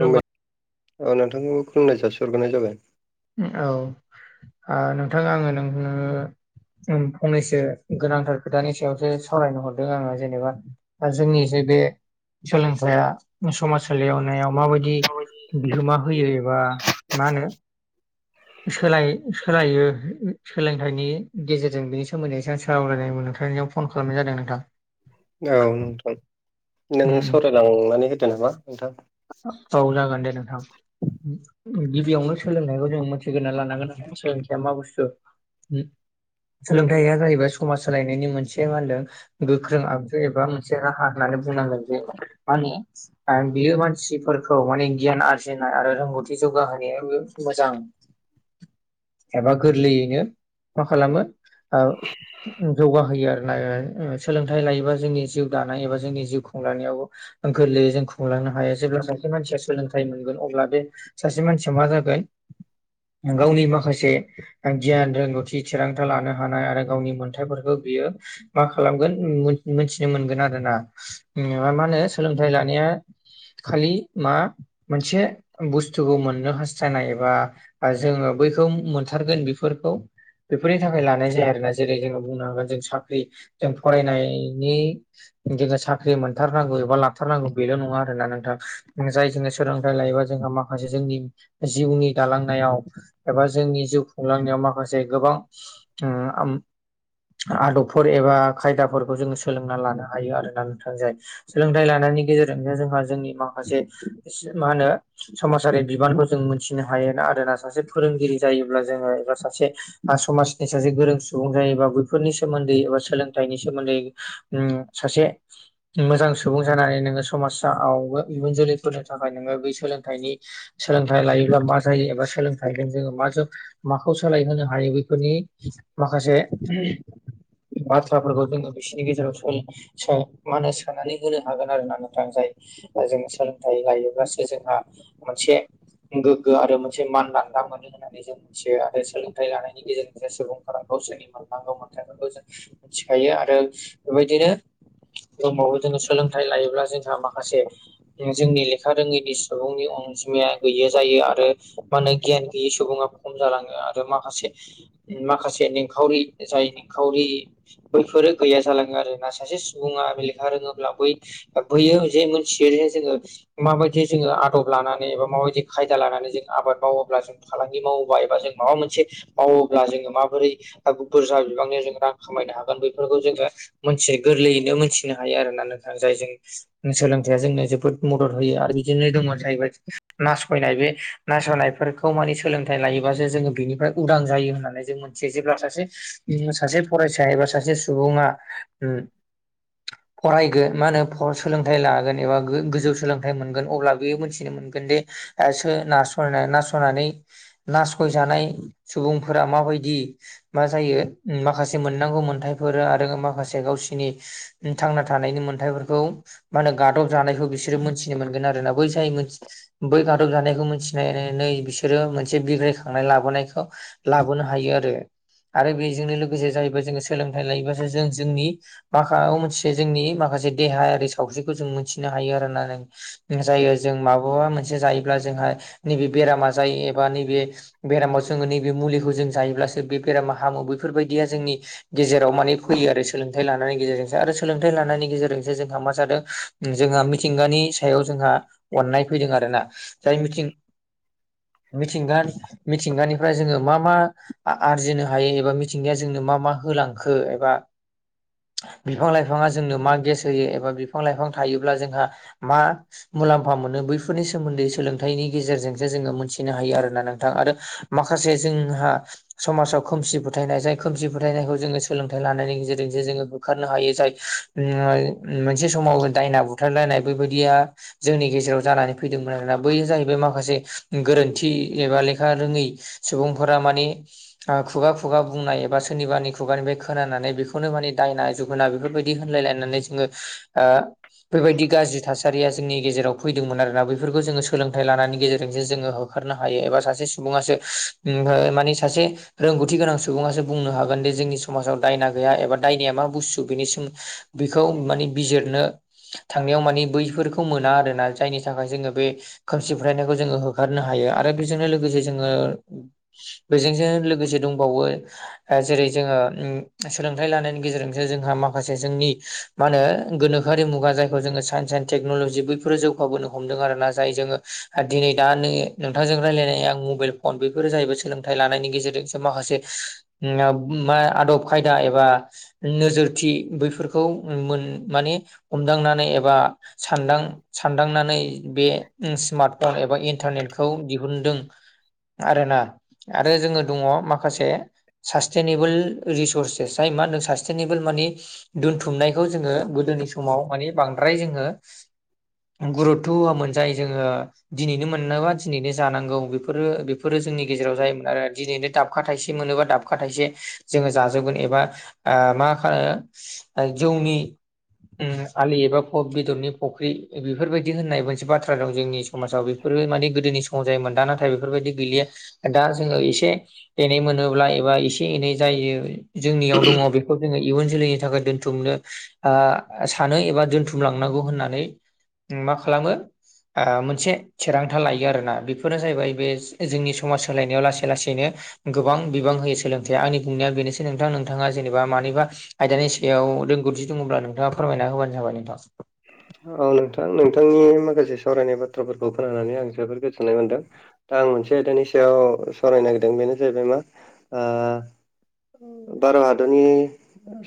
खुलुमबाय औ नोंथांखौबो खुनाय जासि हरग्रोनाय जाबाय उम औ आ नोंथां आङो नोंनो उम फंनैसो गोनांथार खोथानि सायावसो सावरायनो हरदों आङो जेनेबा जोंनि जे बे सोलोंथया समाज सलियावनायाव माबायदि बिहोमा होयो एबा मा होनो सोलाय सोलायो सोलोंथाइनि गेजेरजों बिनि सोमोन्दै स सावरायनाय मोनथांनियाव फन खालामनाय जादों नोंथां औ नोंथां नों उम सावरायलांनानै होदो नामा नोंथां औ जागोनदे नोंथां गिबियावनो सोलोंनायखौ जों मिथिग्रोना लानांगोन आरो सोलोंथाइया मा बुस्थु सोलोंथायाइया जाहैबाय समाज सोलायनायनि मोनसे मा होनदों गोख्रों आगजु एबा मोनसे राहा होननानै बुंनांगोन जे मानि आ बियो मानसि सिफोरखौ माने गियान आरजिनाय आरो रोंगौथि जौगाहोनायाबो मोजां एबा गोरलैयैनो मा खालामो ओ जौगाहोयो आरो नाय उम सोलोंथाइ लायोबा जोंनि जिउ दानाय एबा जोंनि जिउ खुंलांनायावबो गोरलैयै जों खुंलांनो हायो जेब्ला सासे मानसिया सोलोंथाइ मोनगोन अब्ला बे सासे मानसिया मा जागोन गावनि माखासे गियान रोंगौथि थिरांथा लानो हानाय आरो गावनि मोन्थायफोरखौ बियो मा खालामगोन मोनथिनो मोनगोन आरो ना मा होनो सोलोंथाइ लानाया खालि मा मोनसे बुस्थुखौ मोननो हास्थायनाय एबा जोङो बैखौ मोनथारगोन बेफोरखौ बेफोरनि थाखाय लानाय जायो आरोना जेरै जोङो बुंनो हागोन जों साख्रि जों फरायनायनि गेजेरजों साख्रि मोनथारनांगौ एबा लाथारनांगौ बेल नङा आरोना नों थां जाय जोंनि सोलोंथाइ लायोबा जोंहा माखासे जोंनि जिउनि दालांनायाव एबा जोंनि जिउ खुंलांनायाव माखासे गोबां ओ आम आदबफोर एबा खायदाफोरखौ जोङो सोलोंना लानो हायो आरोना नोंथां जों सोलोंथाइ लानायनि गेजेरजोंनो जोंहा जोंनि माखासे मा होनो समाजारि बिबानखौ जों मोनथिनो हायोना आरोना सासे फोरोंगिरि जायोब्ला जोङो एबा सासे समाजनि सासे गोरों सुबुं जायोबा बैफोरनि सोमोन्दै एबा सोलोंथाइनि सोमोन्दै सासे मोजां सुबुं जानानै नोङो समाजावबो इयुन जोलैफोरनि थाखाय नोङो बै सोलोंथाइनि सोलोंथाइ लायोब्लाा मा जायो एबा सोलोंथाइजों जोङो मा ज माखौ सोलायहोनो हायो बेफोरनि माखासे बाथ्राफोरखौ जोङो बिसोरनि गेजेराव [unintelligible] स मा होनो सोनानै होनो हागोन आरोना नोंथां जाय जों सोलोंथाइ लायोब्लासो जोंहा मोनसे गोग्गो आरो मोनसे मानलान्दा मोनो [unintelligible] होननानै जों मिथियो आरो सोलोंथाइ लानायनि गेजेरजों सुबुंफोरा गावसोरनि मोननांगौ मोनथायखौ जों मिथिखायो आरो बेबायदिनो बहुमावबो जोङो सोलोंथाइ लायोब्ला जोंहा माखासे जोंनि लेखा रोङिनि सुबुंनि अनजिमाया गै जायो आरो मा होनो गियान गैयै सुबुङा खम जालाङो आरो माखासे माखासे निखावरि जाय निखावरि बैफोरो गैया जालाङो आरो ना सासे सुबुङा बे लेखा रोङोब्ला बै बैयो जे मोनसे जेरहाय जोङो माबायदि जोङो आदब लानानै एबा माबायदि खायदा लानानै जों आबाद मावोब्ला जों फालांगि मावोबा एबा जों माबा मोनसे मावोब्ला जोङो माबोरै बुरजा बिबांनि जोङो रां खामायनो हागोन बेफोरखौ जोङो मोन गोरलैयैनो मोनथिनो हायो आरो ना नोंथां जायजों सोलों या जोंनो जोबोद मदद होयो आरो बिदिनो दङ जाहैबाय नासयनाय बे नासयनायफोरखौ माने सोलोंथाइ लायोबासो जोङो बेनिफ्राय उदां जायो होननानै जों मोन मिथि जेब्ला सासे सासे फरायसा एबा सासे सुबुङा फरायगोन मा होनो सोलोंथाइ लागोन एबा गोजौ सोलोंथाइ मोनगोन अब्ला बेयो मोनथिनो मोनगोन दे सो नास नासनानै नासयजानाय सुबुंफोरा माबायदि मा जायो माखासे मोननांगौ मोनथायफोर आरो माखासे गावसिनि थांना थानायनि मोन्थायफोरखौ मा होन गादब जानायखौ बिसोरो मोनथिनो मोनगोन आरोना बै जायथि बै गादब जानायखौ मिथि नै बिसोरो मोनसे बिग्रायखांनाय लाबोनायखौ लाबो नुोननो हायो आरो आरो बेजोंनो लोगोसे जाहैबाय जोङो सोलोंथाइ लायोबासो जों जोंनि माखाा मोनसे जोंनि माखासे देहायारि सावस्रिखौ जों मोनथिनो हायो आरो नोंथां जायो जों माबबा मोनसे जायोब्ला जोंहा नैबे बेरामा जायो एबा नैबे बेरामाव जोङो नैबे मुलिखौ जों जायोब्लासो बे बेरामा हामो बैफोरबायदिया जोंनि गेजेराव माने फैयो आरो सोलोंथाइ लानायनि गेजेरजोंसो आरो सोलोंथाइ लानायनि गेजेरजोंसो जोंहा मा जादों जोंहा मिथिंगानि सायाव जोंहा अननाय फैदों आरोना जाय मिथिं मिथिंगानि मिथिंगानिफ्राय जोङो मा मा आरजिनो हायो एबा मिथिंगाया जोंनो मा मा होलांगो बि ला बिफां लाइफां थायोब्ला जोंहा मा मुलाम्फा मोनो बैफोरनि सोमोन्दै सोलोंथाइनि गेजेरजोंसो जोङो मोनथिनो हायो आरोना नोंथां आरो माखासे जोंहा समाजाव खोमसि फोथायनाय जाय खोमसि फोथायनायखौ जोङो सोलोंथाइ लानायनि गेजेरजोंसो जोङो होखारनो हायो जाय मोनसे समाव दायना बुथारलायनाय बेबायदिया जोंनि गेजेराव जानानै फैदोंमोन आरोना बैयो जाहैबाय माखासे गोरोन्थि एबा लेखा रोङै सुबुंफोरा माने खुगा खुगा बुंनाय एबा सोरनिबारानि खुगानिफ्राय खोनानानै बेखौनो माने दायना जुग मोना बेफोरबायदि होनलायलायनानै जोङो बेबायदि गाज्रि थासारिया जोंनि गेजेराव फैदोंमोन आरोना बैफोरखौ जोङो सोलोंथाइ लानानैनि गेजेरजोंसो जोङो नो हायोबा सासे सुब माने सासे रोंगौथि गोनां सुबो बुंनो हागोन दे जोंनि समाजाव दायना गैया एबा दायनाया मा बुस्सु बेनि सों बेखौ माने बिजिरनो थांनायाव मानिे बैफोरखौ मोना आरोना जायनि थाखाय जोङो बे खोमसि फोथायनायखौ जोङो होखारनो हायो आरो बेजोंनो लोगोसे जोङो बेजोंजों लोगोसे दंबावो जेरै जोङो सोलोंथाइ लानायनि गेजेरजोंसो जोंहा माखासे जोंनि मा होनो गोनोखोआि मुगा जायखौ जोङो साइन्स एन्ड टेक्न'लजि बैफोरो जौगाबोनो हमदों आरो ना जाय जोङो दिनै दा न नोंथांजों रायजलायनायां मबाइल फन बेफोरो जाहैबाय सोलोंथाइ लानायनि गेजेरजोंसो माखासे मा आदब खायदा एबा नोजोरथि बैफोरखौ मोन माने हमदांनानै एबा सानदां सानदांनानै बे स्मार्ट फन एबा इन्टारनेटखौ दिहुनदों आरोना आरो जोङो दङ माखासे सास्टेनेबोल रिसरसेसहाय मा होनों सासटेनेबोल माने दोनथुमनायखौ जोङो गोदोनि समाव माने बांद्राय जोङो गुरुतथ' होआमोन जाय जोङो दिनैनो मोनोबा दिनैनो जानांगौ बेफोरो बेफोरो जोंनि गेजेराव जायोमोन आरो दिनैनो दाबखा थाइसे मोनोबा दाब दाबखा थाइसे जोङो जाजोबगोन एबा मा खा जौनि उ आलि एबा बेदरनि फुख्रि बेफोरबायदि होननाय मोनसे बाथ्रा बाथ्रा दं जोंनि समाजाव बेफोरो माने गोदोनि समाव जायोमोन दा नाथाय बेफोरबायदि गैलिया दा जोङो एसे एनै मोनोब्ला एबा एसे एनै जायो जोंनियाव दङ बेखौ जोङो इयुन जोलैनि थाखाय दोनथुमनो सानो एबा दोनथुमलांनांगौ होननानै मा खालामो मोनसे थिरांथा लायो आरोना बेफोरो जाहैबाय बे जोंनि समाज सोलायनायाव लासै लासैनो गोबां बिबां होयो सोलोंथाइया आंनि बुंनाया बेनोसै नोंथां नोंथाङा जेनेबा मानिबा आयदानि सायाव रोंगौथि दङब्ला नोंथाङा फोरमायना होबानो जाबाय नोंथां औ नोंथां नोंथांनि माखासे सावरायनाय बाथ्राफोरखौ खोनानानै आं जोबोर गोजोननाय मोनदों दा आं मोनसे आयदानि सायाव सावरायनो नागिरदों बेनो जाहैबाय मा भारत हादरनि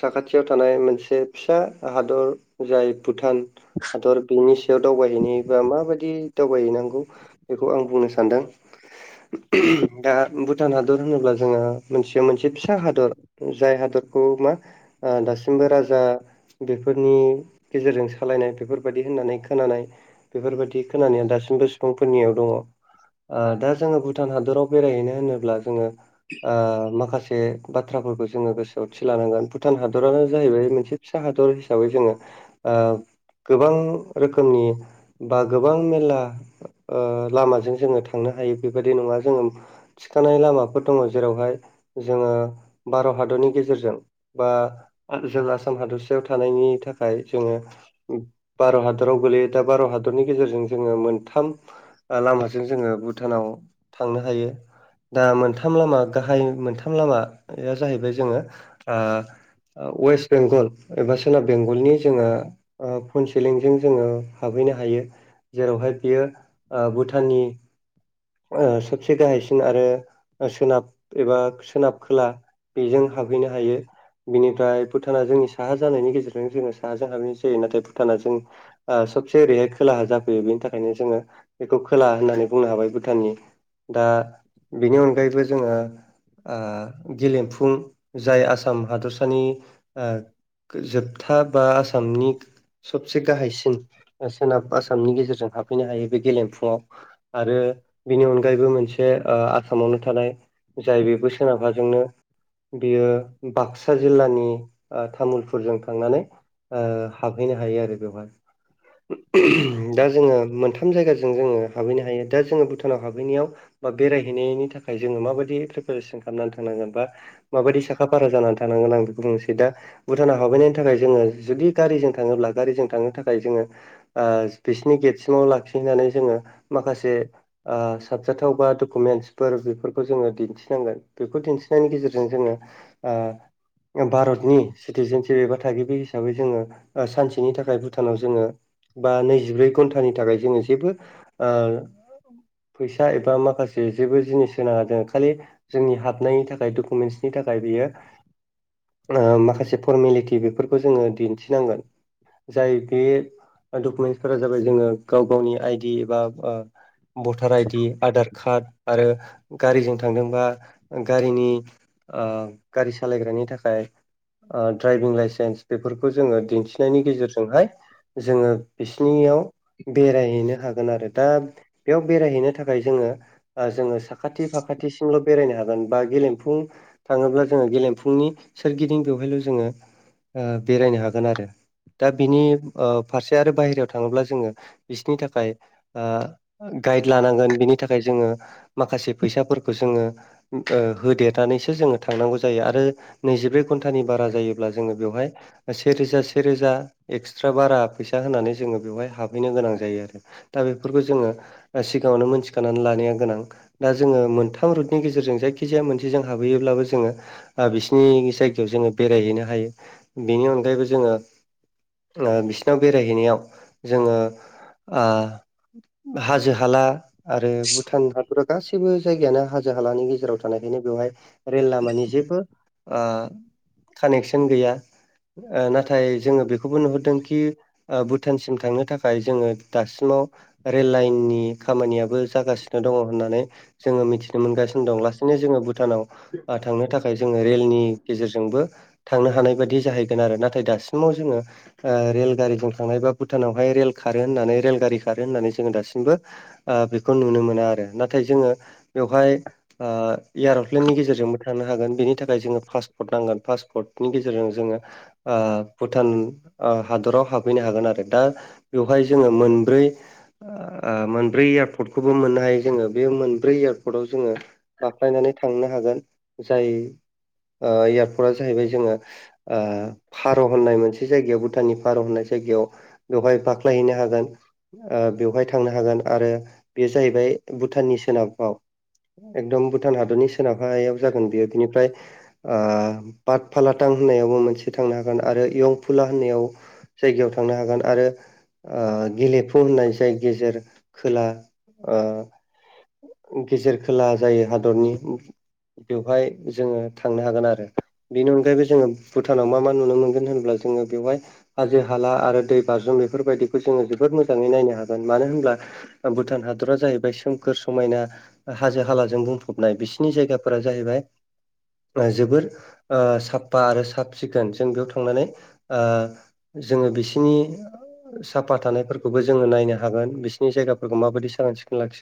साखाथियाव थानाय मोनसे फिसा हादर जाय भुटान हादर बेनि सायाव दावबायहैनाय बा माबायदि दावबायहैनांगौ बेखौ आं बुंनो सानदों दा भुटान हादर होनोब्ला जोङो मोनसेया मोनसे फिसा हादर जाय हादरखौ मा दासिमबो राजा बेफोरनि गेजेरजों सालायनाय बेफोरबायदि होननानै खोनानाय बेफोरबायदि खोनानाया दासिमबो सुबुंफोरनियाव दङ दा जोङो भुटान हादराव बेरायहैनो होनोब्ला जोङो माखासे बाथ्राफोरखौ जोङो गोसोआव थि लानांगोन भुटान हादरानो जाहैबाय मोनसे फिसा हादर हिसाबै जोङो गोबां रोखोमनि बा गोबां मेला लामाजों जोङो थांनो हायो बेबायदि नङा जोङो थिखानाय लामाफोर दङ जेरावहाय जोङो भारत हादरनि गेजेरजों बा जों आसाम हादरसायाव थानायनि थाखाय जोङो भारत हादराव गोलैयो दा भारत हादरनि गेजेरजों जोङो मोनथाम लामाजों जोङो भुटानाव थांनो हायो दा मोनथाम लामा गाहाय मोनथाम लामाया जाहैबाय जोङो वेस्ट बेंगल एबा सोनाब बेंगलनि जोंहा फनसेलिंजों जोङो हाबहैनो हायो जेरावहाय बियो भुटाननि सबसे गाहायसिन आरो सोनाब एबा सोनाब खोला बेजों हाबहैनो हायो बिनिफ्राय भुटाना जोंनि साहा जानायनि गेजेरजों जोङो हाजों हाबनो जायो नाथाय भुटाना जों सबसे ओरैहाय खोलाहा जाफैयो बेनि थाखायनो जोङो बेखौ खोलाहा होननानै बुंनो हाबाय भुटाननि दा बेनि अनगायैबो जोङो गेलेमफुं जाय आसाम हादरसानि जोबथा बा आसामनि सबसे गाहायसिन सोनाब आसा आसामनि गेजेरजों हाबफैनो हायो बे गेलेमफुङाव आरो बिनि अनगायैबो मोनसे ओ आसामावनो थानाय जाय बेबो सोनाबाजोंनो बियो बाक्सा जिल्लानि ओ तामुलपुरजों थांनानै ओ हाबहैनो हायो आरो बेवहाय [inaudible] दा जोङो मोनथाम जायगाजों जोङो हाबहैनो हायो दा जोङो भुटानाव हाबहैनायाव बा बेरायहैनायनि थाखाय जोङो माबायदि प्रिपेरेसन खालामनानै थांनांगोन बा माबायदि साखा फारा जानानै थानांगोन आं बेखौ बुंनोसै दा भुटाना हाबहैनायनि थाखाय जोङो जुदि गारिजों थाङोब्ला गारिजों थांनो थाखाय जोङो ओ बिसिनि गेटसिमाव लाखिहनानै जोङो माखासे ओ साबजाथाव बा डकुमेन्टसफोर बेफोरखौ जोङो दिन्थिनांगोन बेखौ दिन्थिनायनि गेजेरजों जोङो ओ भारतनि सिटिजेनसिप एबा थागिबि हिसाबै जोङो ओ सानसेनि थाखाय भुटानाव जोङो बा नैजिब्रै घन्टानि थाखाय जोङो जेबो ओ फैसा एबा माखासे जेबो जिनिस होनाङा जोङो खालि जोंनि हाबनायनि थाखाय डकुमेन्टसनि थाखाय बियो ओ माखासे फरमेलिटि बेफोरखौ जोङो दिन्थिनांगोन जाय बे डकुमेन्टसफोरा जाबाय जोङो गाव गावनि आइडि बा ओ भटार आइडि आधार कार्ड आरो गारिजों थांदोंबा गारिनि ओ गारि सालायग्रानि थाखाय ओ ड्राइभिं लाइसेन्स बेफोरखौ जोङो दिन्थिनायनि गेजेरजोंहाय जोङो बिसिनियाव बेरायहैनो हागोन आरो दा बेयाव बेरायहैनो थाखाय जोङो ओ जोङो साखाथि फाखाथि सिंल' बेरायनो हागोन बा गेलेमफुं थाङोब्ला जोङो गेलेमफुंनि सोरगिदिं बेवहायल' जोङो ओ बेरायनो हागोन आरो दा बिनि ओ फारसे आरो बाहेरायाव थाङोब्ला जोङो बिसनि थाखाय ओ गाइड लानांगोन बिनि थाखाय जोङो माखासे फैसाफोरखौ जोङो ओ होदेरनानैसो जोङो थांनांगौ जायो आरो नैजिब्रै घन्टानि बारा जायोब्ला जोङो बेवहाय सेरोजा सेरोजा एक्सट्रा बारा फैसा होनानै जोङो बेवहाय हाबहैनो गोनां जायो आरो दा बेफोरखौ जोङो सिगाङावनो मोनथिखानानै लानाया गोनां दा जोङो मोनथाम रुटनि गेजेरजों जायखि जाया मोनसेजों हाबहैयोब्लाबो जोङो ओ बिसिनि जायगायाव जोङो बेरायहैनो हायो बेनि अनगायैबो जोङो ओ बिसिनाव बेरायहैनायाव जोङो ओ हाजो हाला आरो भुटान हादरा गासैबो जायगायानो हाजो हालानि गेजेराव थानायखायनो बेवहाय रेल लामानि जेबो ओ कानेक्सन गैया ओ नाथाय जोङो बेखौबो नुहुरदोंखि ओ भुटानसिम थांनो थाखाय जोङो दासिमाव रेल लाइननि खामानियाबो जागासिनो दङ होननानै जोङो मिथिनो मोनगासिनो दं लाैनो जोङो भुटानाव थांनो थाखाय थाखाय जोङो रेलनि गेजेरजोंबो थांनो हानाय बायदि जाहैगोन आरो नाथाय दासिमाव जोङो ओ रेलगारिजों थांनाय बा भुटानावहाय रेल खारो होननानै रेलगारि खारो होननानै जोङो दासिमबो ओ बेखौ नुनो मोना आरो नाथाय जोङो बेवहाय ओ एयार'प्लेननि गेजेरजोंबो थांनो हागोन बेनि थाखाय जोङो पासपर्ट नांगोन पासपर्ट नि गेजेरजों जोङो ओ भुटान ओ हादराव हाबहैनो हागोन आरो दा बेवहाय जोङो मोनब्रै ओ मोनब्रै एयारपर्टखौबो मोननो हायो जोङो बे मोनब्रै एयारपर्टआव जोङो बाख्लायनानै थांनो हागोन जाय ओ एयारपर्टआ जाहैबाय जोङो ओ फार' होननाय मोनसे जायगायाव भुटाननि फार' होननाय जायगायाव बेवहाय बाख्लायहैनो हागोन ओ बेवहाय थांनो हागोन आरो बे जाहैबाय भुटाननि सोनाबाव एकदम भुटान हादरनि सोनाबायाव जागोन बेयो बिनिफ्राय ओ पाट फालाथां होननायावबो मोनसे थांनो हागोन आरो इयंफुला होननायाव जायगायाव थांनो हागोन आरो गेलेफु होननाय जाय गेजेर खोला ओ गेजेर खोला जायो हादरनि बेवहाय जोङो थांनो हागोन आरो बेनि अनगायैबो जोङो भुटानाव मा मा नुनो मोनगोन होनब्ला जोङो बेवहाय हाजो हाला आरो दै बाज्रुम बेफोरबायदिखौ जोङो जोबोद मोजाङै नायनो हागोन मानो होनब्ला भुटान हादरा जाहैबाय सोमखोर समायना हाजो हालाजों बुंफबनाय बिसिनि जायगाफोरा जाहैबाय जोबोर ओ साफा आरो सााब सिखोन जों बेयाव थांनानै ओ जोङो बिसिनि साफा थानायफोरखौबो जोङो नायनो हागोन बिसिोरनि जायगाफोरखौ माबायदि साखोन सिखोन लाखियो